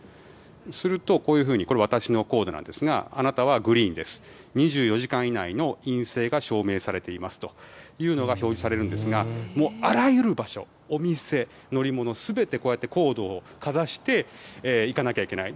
すると、こういうふうにこれ、私のコードですがあなたはグリーンです２４時間以内の陰性が証明されていますというのが表示されるんですがあらゆる場所お店、乗り物全て、コードをかざしていかなきゃいけない。